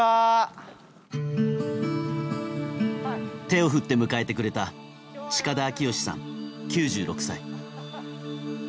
手を振って迎えてくれた近田明良さん、９６歳。